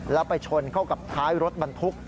แล้วไปชนเข้ากับท้ายรถบรรทุก